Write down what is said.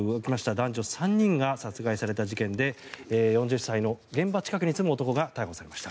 男女３人が殺害された事件で４０歳の現場近くに住む男が逮捕されました。